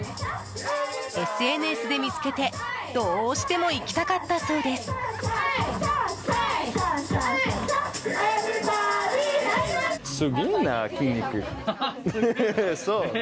ＳＮＳで見つけてどうしても行きたかったそうです。